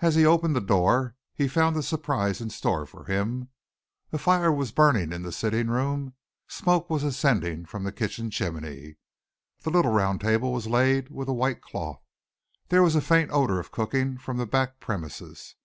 As he opened the door, he found a surprise in store for him. A fire was burning in the sitting room, smoke was ascending from the kitchen chimney. The little round table was laid with a white cloth. There was a faint odour of cooking from the back premises.